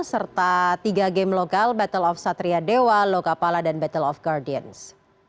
serta tiga game lokal battle of satria dewa lokapala dan battle of guardians